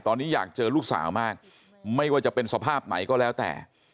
ตอนนี้อยากเจอลูกสาวมากไม่ว่าจะเป็นสภาพไหนก็แล้วแต่